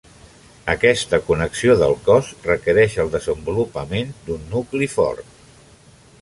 Aquesta connexió del cos requereix el desenvolupament d"un nucli fort.